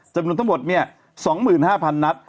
จำนวนทั้งหมด๒๕๐๐นัด